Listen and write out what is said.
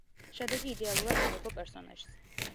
შედეგი იდეალურად მოერგო პერსონაჟს.